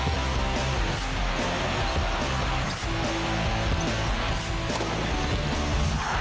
โปรดติดตามต่อไป